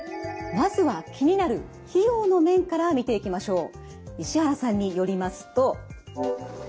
まずは気になる費用の面から見ていきましょう。